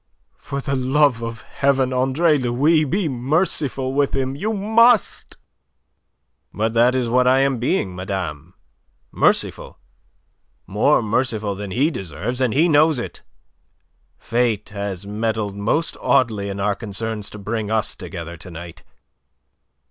"For the love of Heaven, Andre Louis, be merciful with him! You must!" "But that is what I am being, madame merciful; more merciful than he deserves. And he knows it. Fate has meddled most oddly in our concerns to bring us together to night.